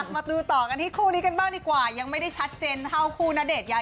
มาดูต่อกันที่คู่นี้กันบ้างดีกว่ายังไม่ได้ชัดเจนเท่าคู่ณเดชนยาย